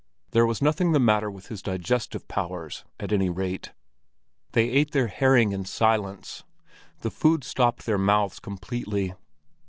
There was nothing the matter with his digestive powers at any rate. They ate their herring in silence; the food stopped their mouths completely.